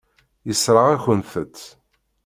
Yessṛeɣ-akent-t.